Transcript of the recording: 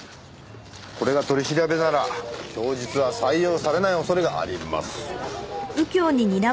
これが取り調べなら供述は採用されない恐れがあります。